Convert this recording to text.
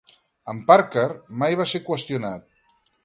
En Parker mai va ser qüestionat.